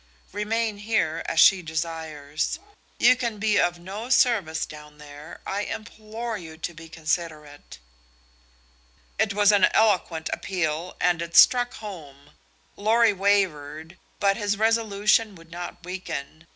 Remain here, as she desires. You can be of no service down there. I implore you to be considerate." It was an eloquent appeal, and it struck home. Lorry wavered, but his resolution would not weaken.